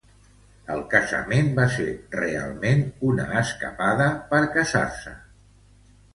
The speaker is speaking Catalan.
El casament va ser realment una escapada per casar-se.